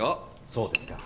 そうですか。